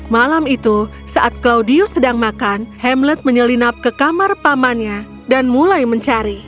malam itu saat claudius sedang makan hamlet menyelinap ke kamar pamannya dan mulai mencari